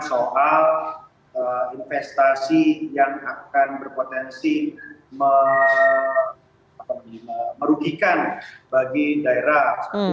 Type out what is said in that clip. soal investasi yang akan berpotensi merugikan bagi daerah